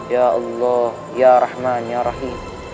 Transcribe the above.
ya allah ya rahman ya rahim